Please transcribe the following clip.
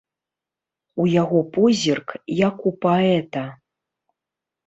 У яго позірк, як у паэта.